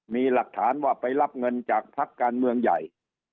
มีหลักฐานว่าไปรับเงินจากพักการเมืองใหญ่